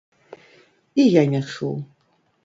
І я не чуў.